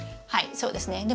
はいそうですね。